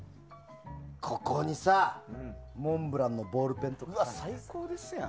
ここにさ、モンブランのボールペンとか。